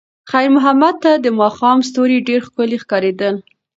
خیر محمد ته د ماښام ستوري ډېر ښکلي ښکارېدل.